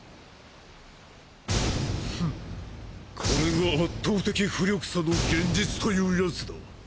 フンこれが圧倒的巫力差の現実というやつだ。